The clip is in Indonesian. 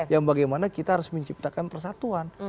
yang bagaimana kita harus menciptakan persatuan